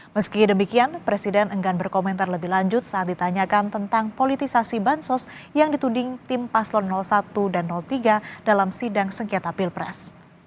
meski demikian presiden enggan berkomentar lebih lanjut saat ditanyakan tentang politisasi bansos yang dituding tim paslon satu dan tiga dalam sidang sengketa pilpres